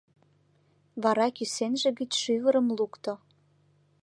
Вара кӱсенже гыч шӱвырым лукто.